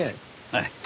はい。